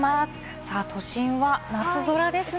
都心は夏空ですね。